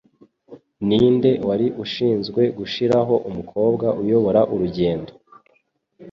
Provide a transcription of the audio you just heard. Ninde Wari Ushinzwe Gushiraho Umukobwa Uyobora Urugendo